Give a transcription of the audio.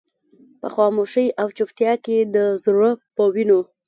په خاموشۍ او چوپتيا کې د زړه په وينو.